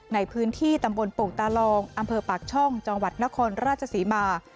ในพื้นที่ตำบลโป่งตาลองอำเภอปากช่องจังหวัดนครราชศรีมา